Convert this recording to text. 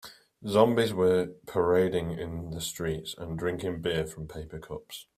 Zombies were parading in the streets and drinking beer from paper cups.